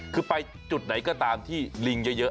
คือไปจุดไหนก็ตามที่ลิงเยอะ